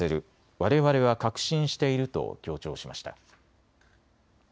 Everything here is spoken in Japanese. われわれは確信していると強調しました。